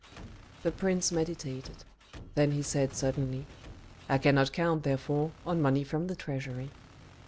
The prince meditated; then he said suddenly, "I cannot count, therefore, on money from the treasury."